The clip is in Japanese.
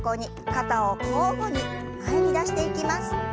肩を交互に前に出していきます。